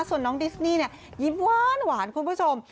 ส่วนน้องดิสนี่เนี่ยยิ้มหวานคุณผู้ชม